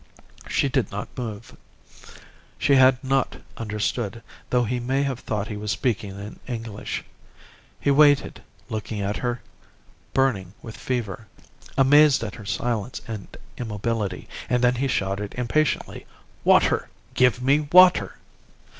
She did not move. She had not understood, though he may have thought he was speaking in English. He waited, looking at her, burning with fever, amazed at her silence and immobility, and then he shouted impatiently, 'Water! Give me water!